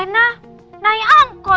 nah naik angkot